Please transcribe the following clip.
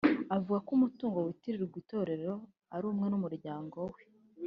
avuga ko umutungo witirirwa itorero ari uwe n’umuryango we